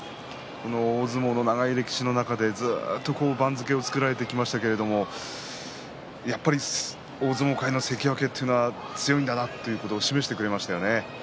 大相撲の長い歴史の中でずっと番付が作られてきましたけどやっぱり大相撲界の関脇というのは強いんだなと示してくれましたよね。